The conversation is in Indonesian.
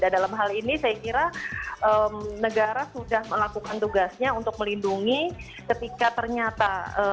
dan dalam hal ini saya kira negara sudah melakukan tugasnya untuk melindungi ketika ternyata